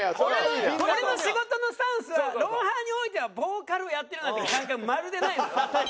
俺の仕事のスタンスは『ロンハー』においてはボーカルをやってるなんて感覚まるでないのよ。